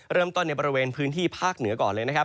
เริ่มต้นในบริเวณพื้นที่ภาคเหนือก่อนเลยนะครับ